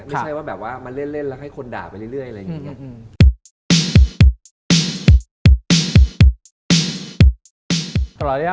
ไม่ใช่ว่าแบบว่ามาเล่นแล้วให้คนด่าไปเรื่อยอะไรอย่างนี้